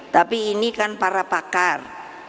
tapi ini kan para pakar